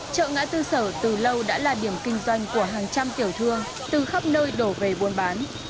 chợ ngã tư sở từ lâu đã là điểm kinh doanh của hàng trăm tiểu thương từ khắp nơi đổ về buôn bán